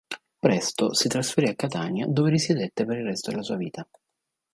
Presto si trasferì a Catania dove risiedette per il resto della sua vita.